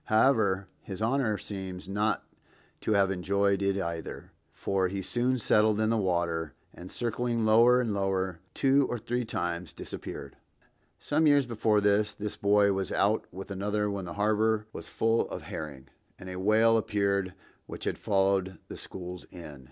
However, his Honor seems not to have enjoyed it either, for he soon settled in the water, and circling lower and lower two or three times, disappeared. Some years before that, this boy was out with another when the harbor was full of herring, and a whale appeared which had followed the schools in.